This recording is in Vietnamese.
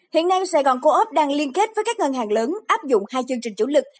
hiện nay sài gòn co op đang liên kết với các ngân hàng lớn áp dụng hai chương trình chủ lực